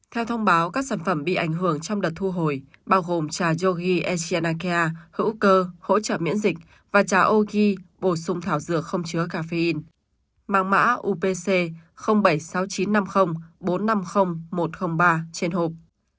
theo thông báo các sản phẩm bị ảnh hưởng trong đợt thu hồi bao gồm trà yogi echinacea hữu cơ hỗ trợ miễn dịch và trà ogi bổ sung thảo dược không chứa caffeine mang mã upc bảy sáu chín năm không bốn năm không một không ba trên hộp